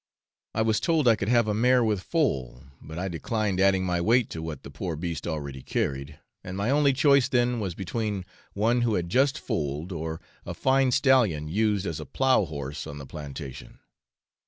I was told I could have a mare with foal; but I declined adding my weight to what the poor beast already carried, and my only choice then was between one who had just foaled, or a fine stallion used as a plough horse on the plantation.